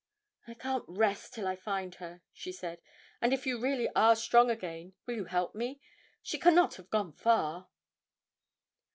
'I can't rest till I find her,' she said, 'and if you really are strong again, will you help me? She cannot have gone very far.'